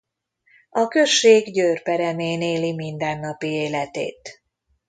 A község Győr peremén éli mindennapi életét.